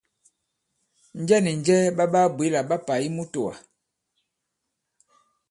Njɛ nì njɛ ɓa ɓaa-bwě là ɓa pà i mutōwà?